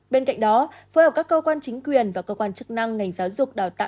bên cạnh đó phối hợp các cơ quan chính quyền và cơ quan chức năng ngành giáo dục đào tạo